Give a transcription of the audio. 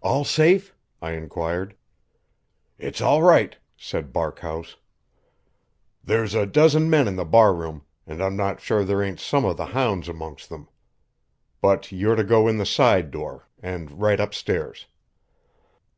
"All safe?" I inquired. "It's all right," said Barkhouse. "There's a dozen men in the bar room, and I'm not sure there ain't some of the hounds amongst them. But you're to go in the side door, and right up stairs."